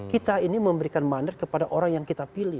kita ini memberikan mandat kepada orang yang kita pilih